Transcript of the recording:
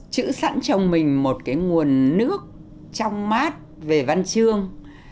chữ sẵn trong mình một cái nguồn nước trong mát về văn chương